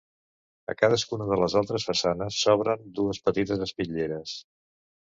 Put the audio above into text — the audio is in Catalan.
A cadascuna de les altres façanes s'obren dues petites espitlleres.